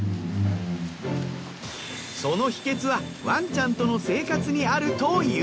その秘訣はワンちゃんとの生活にあるという。